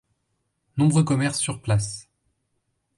Nombreux commerces sur place.